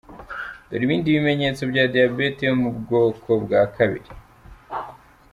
Dore rero ibindi bimenyetso bya diabete yo mu bwoko bwa kabiri:.